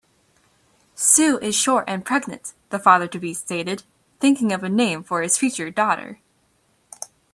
"Sue is short and pregnant", the father-to-be stated, thinking of a name for his future daughter.